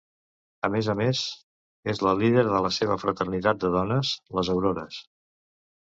A més a més és la líder de la seva fraternitat de dones, Les Aurores.